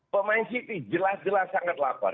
pemain city jelas jelas sangat lapar